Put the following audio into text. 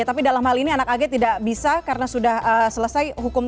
tapi dalam hal ini anak ag tidak bisa karena sudah selesai hukum